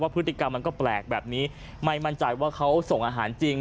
พฤติกรรมมันก็แปลกแบบนี้ไม่มั่นใจว่าเขาส่งอาหารจริง